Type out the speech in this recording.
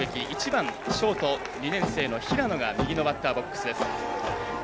１番ショート、２年生の平野が右のバッターボックスです。